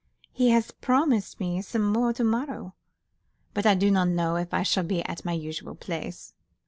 He has promised me some more to morrow, but I don't know if I shall be at my usual place."